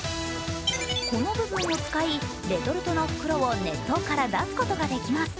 この部分を使い、レトルトの袋を熱湯から出すことができます